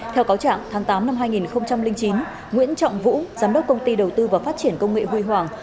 theo cáo trạng tháng tám năm hai nghìn chín nguyễn trọng vũ giám đốc công ty đầu tư và phát triển công nghệ huy hoàng